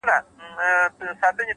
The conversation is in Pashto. هره لحظه د پرمختګ نوی امکان لري.!